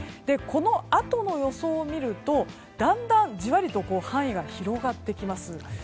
このあとの予想を見るとだんだん、じわりと範囲が広がってきます。